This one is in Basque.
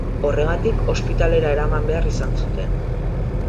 Horregatik, ospitalera eraman behar izan zuten.